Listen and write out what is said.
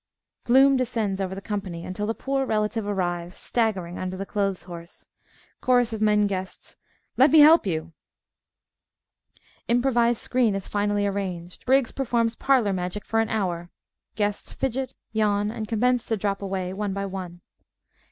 (Gloom descends over the company, until the Poor Relative arrives, staggering under the clothes horse.) CHORUS OF MEN GUESTS Let me help you! (Improvised screen is finally arranged. Briggs _performs "parlor magic" for an hour. Guests, fidget, yawn and commence to drop away, one by one.